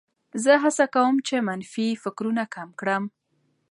زه هڅه کوم چې منفي فکرونه کم کړم.